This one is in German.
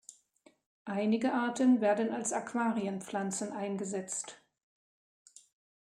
Einige Arten werden als Aquarienpflanzen eingesetzt.